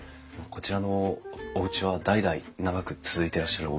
こちらのおうちは代々長く続いていらっしゃるおうちなんですか？